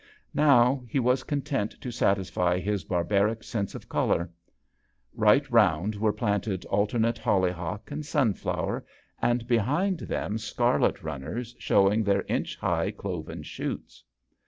Now he was content to satisfy his barbaric sense of colour ; right round were planted alternate holyhock and sunflower, and be hind them scarlet runners showed their inch high cloven shoots.